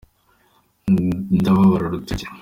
ndababara urutoki.